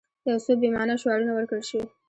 یو څو بې معنا شعارونه ورکړل شوي.